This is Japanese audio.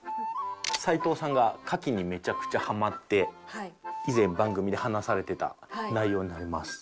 齊藤さんが牡蠣にめちゃくちゃハマって以前番組で話されてた内容になります。